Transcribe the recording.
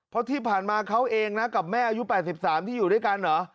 เพราะที่ผ่านมาเขาเองนะกับแม่อายุ๘๓ที่อยู่ด้วยกันเหรอ